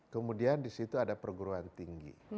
kemudian di situ ada perguruan tinggi